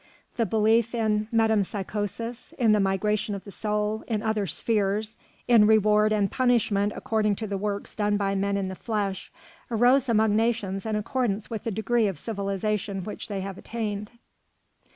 The belief in metempsychosis, in the migration of the soul, in other spheres, in reward and punishment according to the works done by men in the flesh, arose among nations in accordance with the degree of civilisation which they had attained.